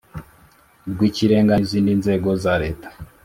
rw Ikirenga n izindi nzego za Leta